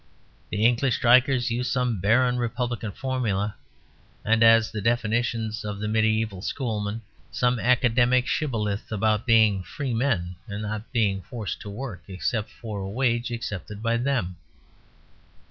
The English strikers used some barren republican formula (arid as the definitions of the medieval schoolmen), some academic shibboleth about being free men and not being forced to work except for a wage accepted by them.